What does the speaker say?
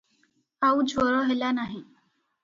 ଆଉ ଜ୍ୱର ହେଲା ନାହିଁ ।